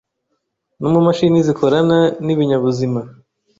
nomu mashini zikorana ni binyabuzima.”